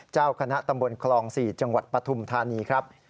เจ้าคณะตำบลคลอง๔จังหวัดปฐุมธานีครับ